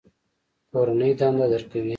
کورنۍ دنده درکوي؟